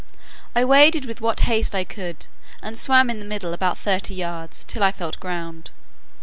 I waded with what haste I could, and swam in the middle about thirty yards, till I felt ground.